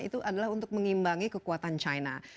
itu adalah untuk mengimbangi kekuatan china